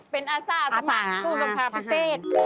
เป็นอาสาสมัครสู้กัญชาพิเศษ